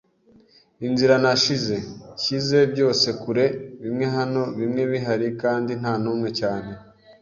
inzira nashize. Nshyize byose kure, bimwe hano, bimwe bihari, kandi ntanumwe cyane